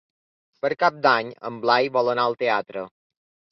Per Cap d'Any en Blai vol anar al teatre.